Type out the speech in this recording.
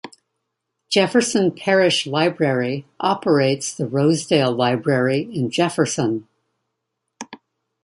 Jefferson Parish Library operates the Rosedale Library in Jefferson.